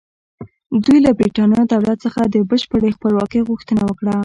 دوی له برېټانیا دولت څخه د بشپړې خپلواکۍ غوښتنه وکړه.